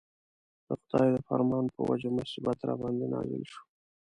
د خدای د فرمان په وجه مصیبت راباندې نازل شو.